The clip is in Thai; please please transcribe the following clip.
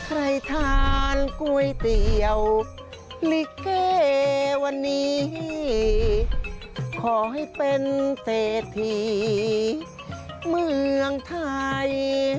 ใครทานก๋วยเตี๋ยวลิเกวันนี้ขอให้เป็นเศรษฐีเมืองไทย